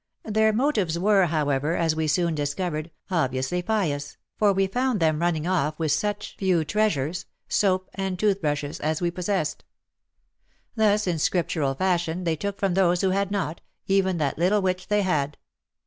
Their motives were, however, as we soon discovered, obviously pious, for we found them running off with such 114 VV'AR AND WOMEN few treasures — soap and toothbrushes — as we possessed. Thus in Scriptural fashion they took from those who had not, even that Httle which they had